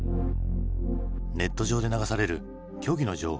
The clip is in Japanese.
ネット上で流される虚偽の情報。